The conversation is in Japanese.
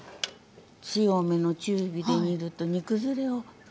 強めの中火で煮ると煮崩れを防ぎますから。